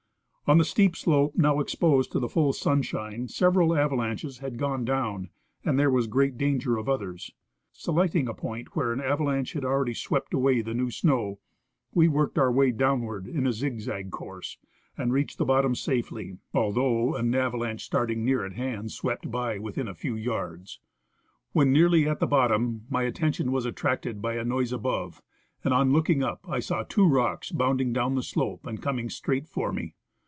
On the steep slope now exposed to the full sunshine several avalanches had gone down, and there was great danger of others. Selecting a point where an avalanche had already swept away the new snow, we worked our way downward in a zigzag course and reached the bottom safely, although an avalanche starting Return to Blossom Island. 161 near at hand swept by within a few yards. When nearly at the bottom my attention was attracted by a noise above, and on looking up I saw two rocks bounding down the slope and coming straight for me.